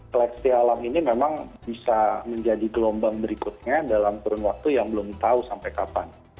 seleksi alam ini memang bisa menjadi gelombang berikutnya dalam kurun waktu yang belum tahu sampai kapan